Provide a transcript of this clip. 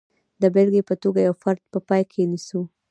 د بېلګې په توګه یو فرد په پام کې نیسو.